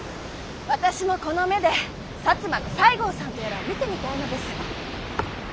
私もこの目で薩摩の西郷さんとやらを見てみたいのです。